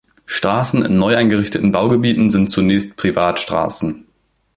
Straßen in neu eingerichteten Baugebieten sind zunächst Privatstraßen.